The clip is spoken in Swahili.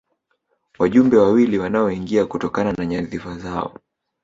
Wajumbe wawili wanaoingia kutokana na nyadhifa zao